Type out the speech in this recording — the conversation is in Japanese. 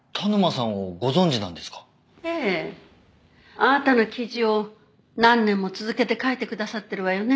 あなたの記事を何年も続けて書いてくださってるわよね？